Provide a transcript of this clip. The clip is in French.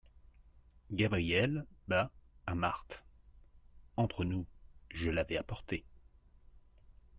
Gabriel bas à Marthe. — Entre nous, je l’avais apporté.